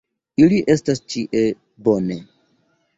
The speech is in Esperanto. Ili estas ĉie. Bone.